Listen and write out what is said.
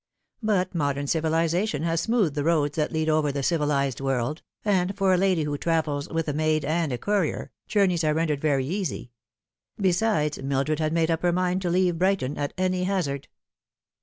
But modern civilisation has smoothed the roads that lead over the civilised world, and for a lady who travels with a maid and a courier, journeys are rendered very easy ; besides, Mildred had made up her mind to leave Brighton at any hazard.